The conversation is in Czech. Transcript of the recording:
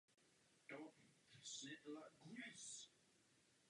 Václav Zelený je členem několika organizací.